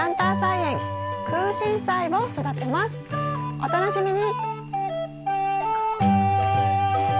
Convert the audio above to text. お楽しみに！